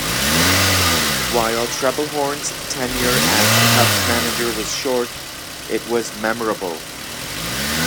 While Trebelhorn's tenure as Cubs manager was short, it was memorable.